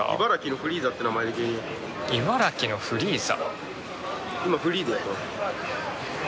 茨城のフリーザ。